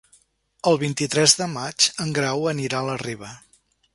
El vint-i-tres de maig en Grau anirà a la Riba.